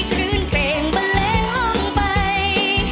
ขึ้นเกรงเบลงล่องไป